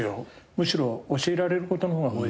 むしろ教えられることの方が多いですね。